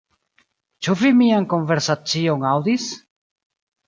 Ĉu vi mian konversacion aŭdis?